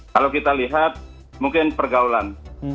kalau kita lihat mungkin pergaulan